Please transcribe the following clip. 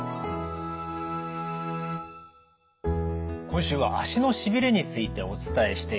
今週は足のしびれについてお伝えしています。